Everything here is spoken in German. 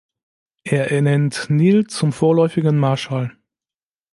Er ernennt Neil zum vorläufigen Marshall.